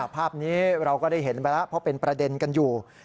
ภาพนี้เราก็ได้เห็นไปแล้วเพราะเป็นประเด็นกันอยู่